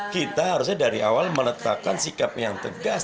kita harusnya dari awal meletakkan sikap yang tegas